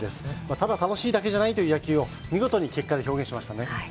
ただ楽しいだけじゃないという野球を見事に結果で表現しましたね。